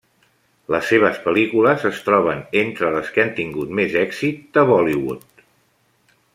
Les seves pel·lícules es troben entre les que han tingut més èxit de Bollywood.